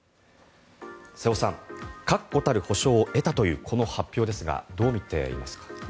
瀬尾さん確固たる保証を得たというこの発表ですがどう見ていますか？